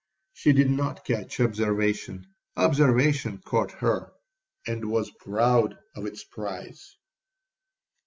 She did not catch observation—observation caught her, and was proud of its prize.